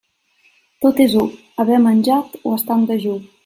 Tot és u, haver menjat o estar dejú.